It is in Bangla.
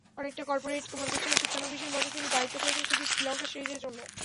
অনেকটা করপোরেট প্রতিষ্ঠানে শিক্ষানবিশের মতো, তিনি দায়িত্ব পেয়েছেন শুধু শ্রীলঙ্কা সিরিজের জন্য।